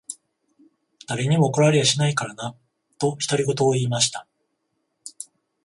誰にも怒られやしないからな。」と、独り言を言いました。